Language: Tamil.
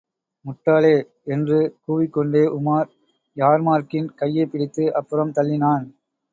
முட்டாளே! என்று கூவிக்கொண்டே உமார் யார்மார்க்கின் கையைப்பிடித்து அப்புறம் தள்ளினான்.